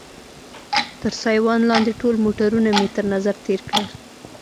تر سایوان لاندې ټول موټرونه مې تر نظر تېر کړل.